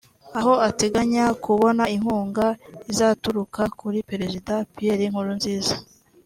aho ateganya kubona inkunga izaturuka kuri Perezida Pierre Nkurunziza